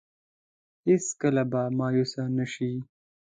هېڅ کله به مايوسه نه شي.